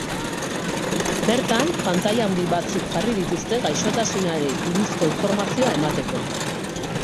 Bertan, pantaila handi batzuk jarriko dituzte gaixotasunari buruzko informazioa emateko.